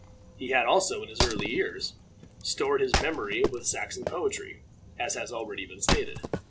He had also, in his early years, stored his memory with Saxon poetry, as has already been stated.